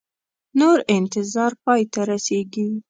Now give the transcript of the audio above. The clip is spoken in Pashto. نور انتظار پای ته رسیږي